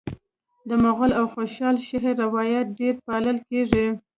د مغل او خوشحال شعري روایت ډېر پالل کیږي